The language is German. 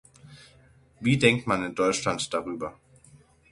Wie denkt man in Deutschland darüber?